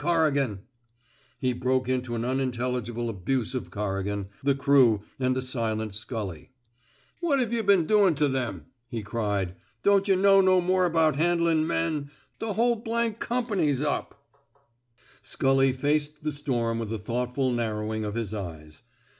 '^ He broke into an unintelligible abuse of Corrigan, the crew, and the silent Scully. What Ve yuh been doin ' to them ?'' he cried. Don't yuh know no more about haridlin' men? The whole — r company's up." 263 THE SMOKE EATERS Scully faced the storm with a thoughtful narrowing of his eyes.